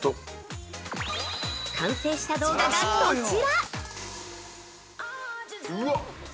◆完成した動画がこちら。